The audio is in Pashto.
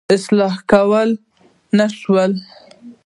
اصلاح کولای یې نه شو.